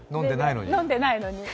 飲んでないのに。